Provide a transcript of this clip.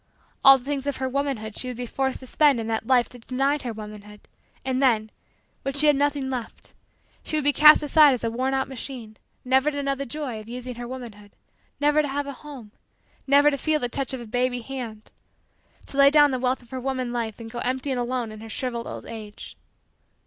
All the things of her womanhood she would be forced to spend in that life that denied her womanhood, and then, when she had nothing left, she would be cast aside as a worn out machine. Never to know the joy of using her womanhood! Never to have a home! Never to feel the touch of a baby hand! To lay down the wealth of her woman life and go empty and alone in her shriveled old age!